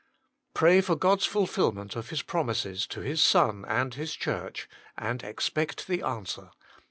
Pray for God s fulfilment of His promises to His Son and His Church, and expect the answer.